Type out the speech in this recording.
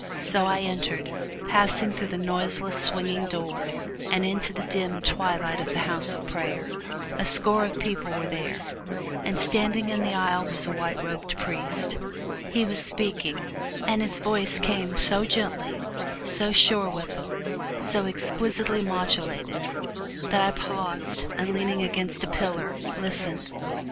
So I entered, passing through the noiseless, swinging door, and into the dim twilight of the house of prayer. A score of people were there, and standing in the aisle was a white robed priest. He was speaking, and his voice came so gently, so sure withal, so exquisitely modulated, that I paused and, leaning against a pillar, listened.